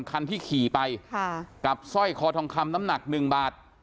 คันที่ขี่ไปกับสร้อยคอทองคำน้ำหนักหนึ่งบาท